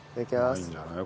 うまいんじゃない？